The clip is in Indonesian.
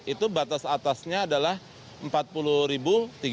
itu batas atasnya adalah rp empat puluh tiga